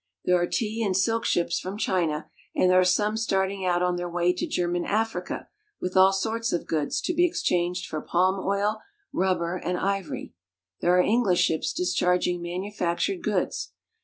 There are tea and silk ships from China, and there are some starting out on their way to German Africa with all sorts of goods to be exchanged for palm oil, rubber, and ivory. There are English ships discharging manufactured goods.